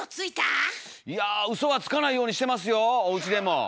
いやウソはつかないようにしてますよおうちでも。